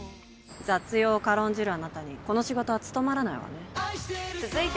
雑用を軽んじるあなたにこの仕事は務まらないわね